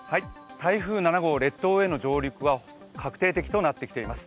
台風７号、列島への上陸は確定的となっています。